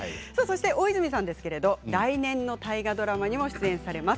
大泉さんは来年の大河ドラマも出演されます。